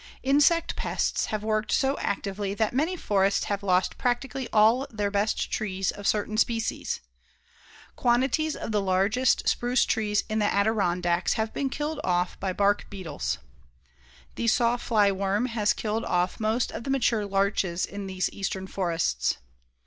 Insect pests have worked so actively that many forests have lost practically all their best trees of certain species. Quantities of the largest spruce trees in the Adirondacks have been killed off by bark beetles. The saw fly worm has killed off most of the mature larches in these eastern forests.